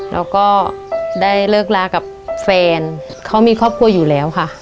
แล้วก็ได้เลิกลากับแฟนเขามีครอบครัวอยู่แล้วค่ะ